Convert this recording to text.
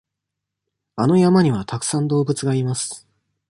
あの山にはたくさん動物がいます。